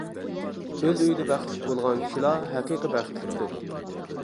ئۆز ئۆيىدە بەختلىك بولغان كىشىلا ھەقىقىي بەختلىكتۇر.